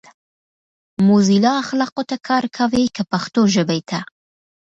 موزیلا اخلاقو ته کار کوي کۀ پښتو ژبې ته؟